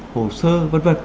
hồ sơ v v